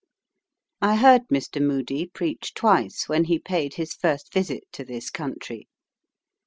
I heard Mr. Moody preach twice when he paid his first visit to this country.